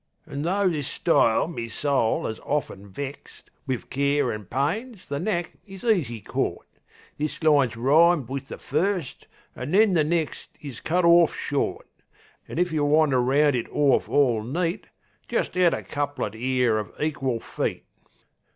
An' though this style me soul 'as often vext, Wiv care an' pains the knack is easy cort; This line's rhymed wiv the first, an' then the next Is cut orf short. An' if yeh want to round it orf orl neat Just add a couplet 'ere of equil feet.